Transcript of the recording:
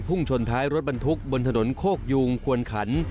ชนท้ายรถบรรทุกบนถนนโคกยูงควนขัน